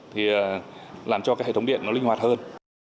thì làm cho cái hệ thống điện nó linh hoạt hơn